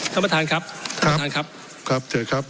ท่านประธานครับท่านประธานครับครับเชิญครับ